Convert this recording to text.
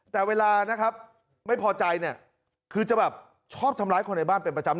แต่เวลานะครับไม่พอใจเนี่ยคือจะแบบชอบทำร้ายคนในบ้านเป็นประจำ